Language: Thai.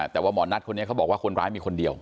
แต่ว่าหมอนัทคนนี้เขาบอกว่าคนร้ายมีคนเดียว